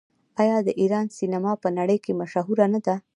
آیا د ایران سینما په نړۍ کې مشهوره نه ده؟